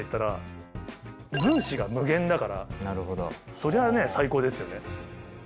そりゃあね最高ですよね。